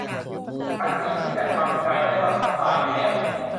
ฉันเกือบที่จะทำใจได้ว่าเขาตายไปแล้ว